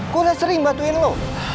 gue udah sering bantuin lu